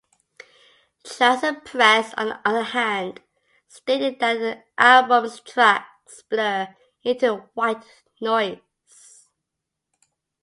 Trouserpress, on the other hand, stated that the album's tracks blur into white noise.